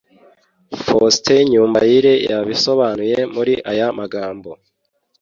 Faustin Nyumbayire yabisobanuye muri aya magambo